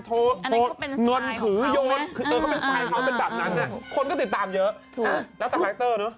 เงินถือโยนคือเออเขาเป็นสไลท์เขาเป็นแบบนั้นเนี่ยคนก็ติดตามเยอะถูกแล้วแต่ไรคเตอร์เนอะ